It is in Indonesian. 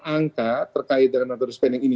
angka terkait dari mandatory spending ini